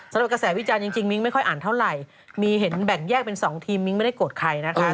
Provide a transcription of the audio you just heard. กระแสวิจารณ์จริงมิ้งไม่ค่อยอ่านเท่าไหร่มีเห็นแบ่งแยกเป็น๒ทีมมิ้งไม่ได้โกรธใครนะคะ